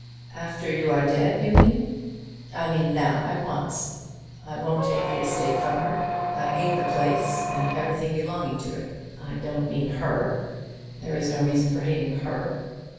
"After you are dead, you mean." "I mean now, at once. I won't take the estate from her. I hate the place and everything belonging to it. I don't mean her. There is no reason for hating her."